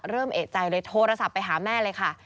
เริ่มเอกใจเลยโทรศัพท์ไปหาแม่เลยค่ะ